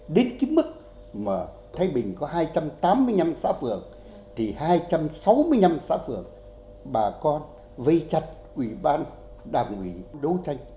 đến cái mức mà thái bình có hai trăm tám mươi năm xã phường thì hai trăm sáu mươi năm xã phường bà con vây chặt ủy ban đảng ủy đấu tranh